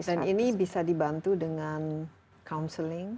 dan ini bisa dibantu dengan counselling